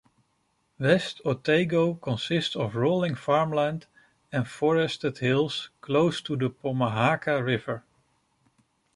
West Otago consists of rolling farmland and forested hills close to the Pomahaka River.